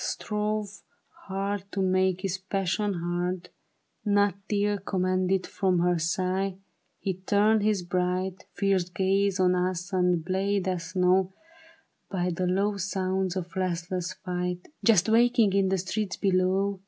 Strove hard to make his passion heard ; Not till commanded from her sight. He turned his bright Fierce gaze on us and bade us know By the low sounds of restless fight Just waking in the streets below.